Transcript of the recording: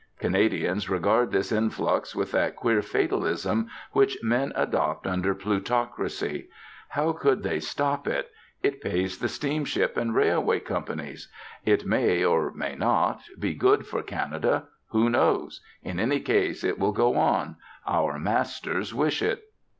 Canadians regard this influx with that queer fatalism which men adopt under plutocracy. "How could they stop it? It pays the steamship and railway companies. It may, or may not, be good for Canada. Who knows? In any case, it will go on. Our masters wish it...."